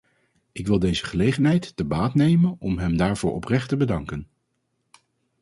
Ik wilde deze gelegenheid te baat nemen om hem daarvoor oprecht te bedanken.